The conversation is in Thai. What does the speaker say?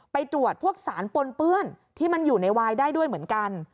ไปตรวจพวกสารปนเปื้อนที่มันอยู่ในวายได้ด้วยเหมือนกัน